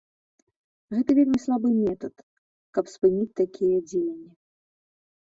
Гэта вельмі слабы метад, каб спыніць такія дзеянні.